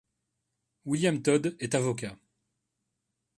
William Tod est avocat.